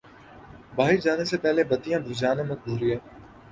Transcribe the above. باہر جانے سے پہلے بتیاں بجھانا مت بھولئے